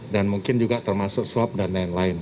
dan mungkin juga termasuk swab dan lain lain